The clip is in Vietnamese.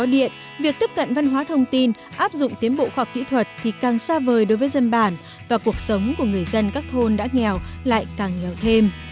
điện việc tiếp cận văn hóa thông tin áp dụng tiến bộ khoa học kỹ thuật thì càng xa vời đối với dân bản và cuộc sống của người dân các thôn đã nghèo lại càng nghèo thêm